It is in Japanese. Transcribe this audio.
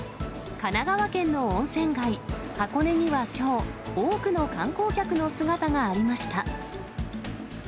神奈川県の温泉街、箱根にはきょう、多くの観光客の姿がありました。